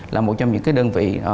là một trong những đơn vị